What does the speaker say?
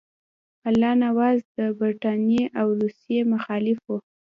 الله نواز د برټانیې او روسیې مخالف وو.